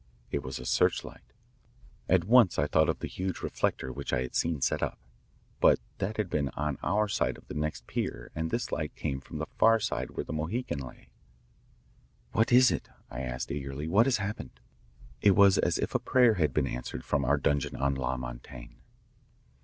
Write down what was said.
It was a searchlight. At once I thought of the huge reflector which I had seen set up. But that had been on our side of the next pier and this light came from the far side where the Mohican lay. "What is it?" I asked eagerly. "What has happened?" It was as if a prayer had been answered from our dungeon on La Montaigne.